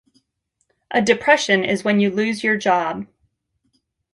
A depression is when you lose your job.